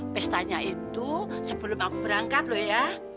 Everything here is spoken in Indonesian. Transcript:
pestanya itu sebelum aku berangkat loh ya